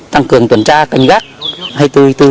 tăng cường tuần tra canh gác hai mươi bốn h